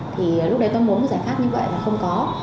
thì lúc đấy tôi muốn một giải pháp như vậy là không có